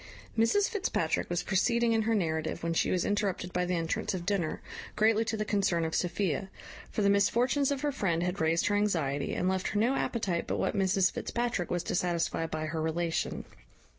Mrs Fitzpatrick was proceeding in her narrative when she was interrupted by the entrance of dinner, greatly to the concern of Sophia; for the misfortunes of her friend had raised her anxiety, and left her no appetite but what Mrs Fitzpatrick was to satisfy by her relation.